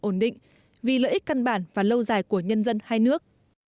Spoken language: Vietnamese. ổn định vì lợi ích căn bản và lâu dài của nhân dân hai nước